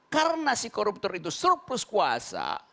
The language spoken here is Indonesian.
karena si koruptor itu surplus kuasa